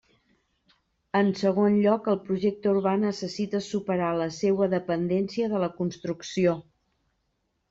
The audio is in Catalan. En segon lloc, el projecte urbà necessita superar la seua dependència de la construcció.